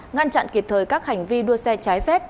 ngăn chặn kịp thời các hành vi đua xe trái phép